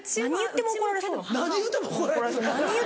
何言っても怒られそう。